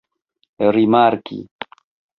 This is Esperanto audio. rimarki